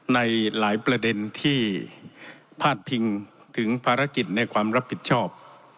ในหลายประเด็นที่พาดพิงถึงภารกิจในความรับผิดชอบ